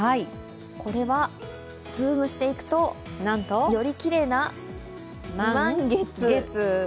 これはズームしていくと、よりきれいな満月。